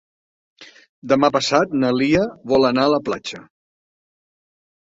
Demà passat na Lia vol anar a la platja.